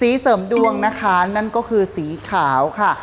เสริมดวงนะคะนั่นก็คือสีขาวค่ะ